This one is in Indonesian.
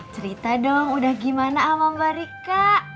cerita dong udah gimana sama mbak rika